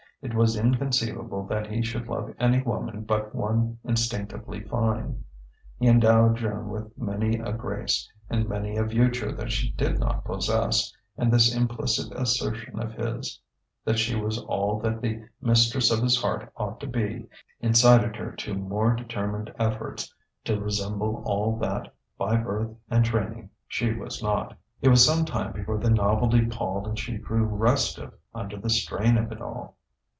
It was inconceivable that he should love any woman but one instinctively fine: he endowed Joan with many a grace and many a virtue that she did not possess; and this implicit assertion of his, that she was all that the mistress of his heart ought to be, incited her to more determined efforts to resemble all that by birth and training she was not. It was some time before the novelty palled and she grew restive under the strain of it all....